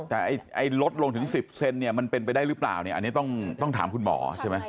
แต่ลดลงถึงสิบเซนมันเป็นไปได้หรือเปล่าอันนี้ต้องถามคุณหมอใช่ไหม